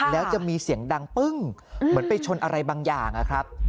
แล้วจะมีเสียงดังปึ้งเหมือนไปชนอะไรบางอย่างนะครับ